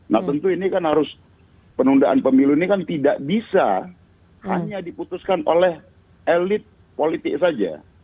nah tentu ini kan harus penundaan pemilu ini kan tidak bisa hanya diputuskan oleh elit politik saja